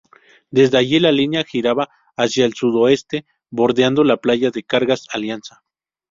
Desde allí la línea giraba hacia el sud-oeste bordeando la playa de cargas Alianza.